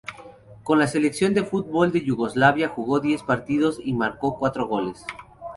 Con la selección de fútbol de Yugoslavia jugó diez partidos y marcó cuatro goles.